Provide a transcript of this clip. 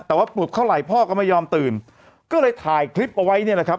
แต่ว่าปลุกเท่าไหร่พ่อก็ไม่ยอมตื่นก็เลยถ่ายคลิปเอาไว้เนี่ยนะครับ